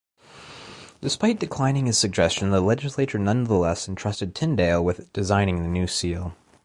Despite declining his suggestion, the legislature nonetheless entrusted Tyndale with designing the new seal.